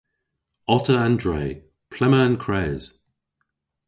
Otta an dre. Ple'ma an kres?